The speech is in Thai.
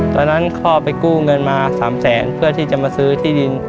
ตอนนั้นพ่อไปกู้เงินมา๓แสนเพื่อที่จะมาซื้อที่ดิน